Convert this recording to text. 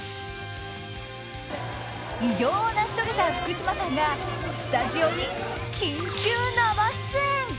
偉業を成し遂げた福島さんがスタジオに緊急生出演。